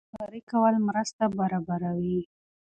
خبرې کول مرسته برابروي.